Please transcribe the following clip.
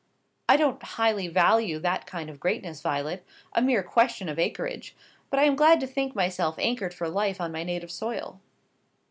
"I don't highly value that kind of greatness, Violet a mere question of acreage; but I am glad to think myself anchored for life on my native soil."